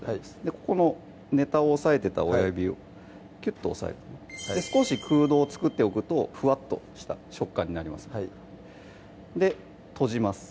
ここのネタを押さえてた親指をきゅっと押さえて少し空洞を作っておくとフワっとした食感になりますで閉じます